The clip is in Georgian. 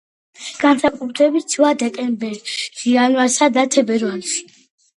განსაკუთრებით ცივა დეკემბერში, იანვარსა და თებერვალში.